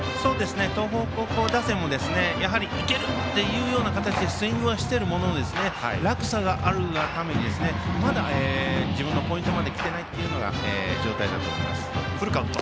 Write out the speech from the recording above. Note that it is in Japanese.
東邦高校打線も行ける！というような形でスイングしているものの落差があるがためにまだ、自分のポイントまで来ていないという状態だと思います。